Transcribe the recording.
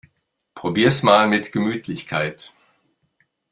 Probier's mal mit Gemütlichkeit!